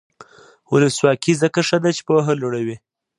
ولسواکي ځکه ښه ده چې پوهه لوړوي.